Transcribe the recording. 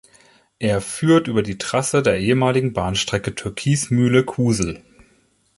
Er führt über die Trasse der ehemaligen Bahnstrecke Türkismühle–Kusel.